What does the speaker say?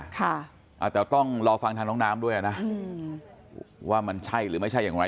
แต่ต้องรอฟังทางน้องน้ำด้วยนะว่ามันใช่หรือไม่ใช่อย่างไร